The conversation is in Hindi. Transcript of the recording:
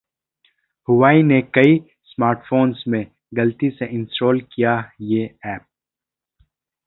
Huawei ने कई स्मार्टफोन्स में गलती से इंस्टॉल किया ये ऐप